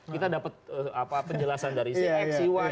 kita dapat penjelasan dari cfcy